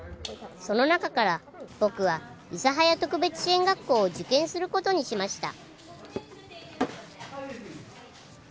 その中から僕は諫早特別支援学校を受験することにしました